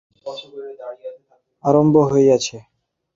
বিশিষ্টাদ্বৈতবাদিগণের মতবাদে প্রকৃত বেদান্ত-দর্শনের আরম্ভ হইয়াছে।